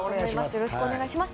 よろしくお願いします。